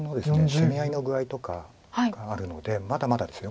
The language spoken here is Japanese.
攻め合いの具合とかがあるのでまだまだですよ。